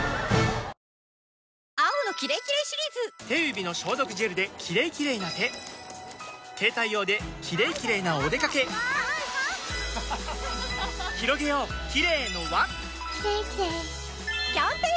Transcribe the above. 手指の消毒ジェルで「キレイキレイ」な手携帯用で「キレイキレイ」なおでかけひろげようキレイの輪キャンペーンやってます！